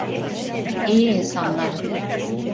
İyi insanlar.